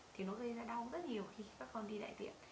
thì nó gây ra đau rất nhiều khi các con đi đại tiện